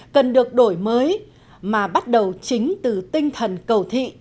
cần được đổi mới mà bắt đầu chính từ tinh thần cầu thị